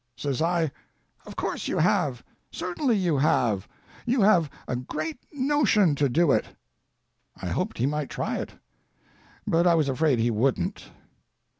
Says I, "Of course you have; certainly you have, you have a great notion to do it." I hoped he might try it, but I was afraid he wouldn't.